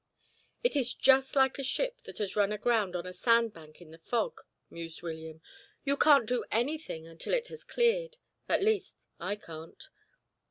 "It is just like a ship that has run aground on a sandbank in the fog," mused William. "You can't do anything until it has cleared at least, I can't.